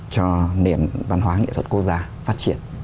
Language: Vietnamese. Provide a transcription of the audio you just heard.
cho nền văn hóa nghệ thuật quốc gia phát triển